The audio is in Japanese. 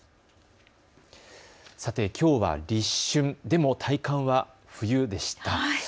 きょうは立春、でも体感は冬でした。